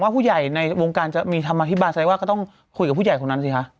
ผู้ใหญ่ในวงการจะมีคำอธิบายซะว่าก็ต้องคุยกับผู้ใหญ่คนนั้นสิคะ